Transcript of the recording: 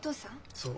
そう。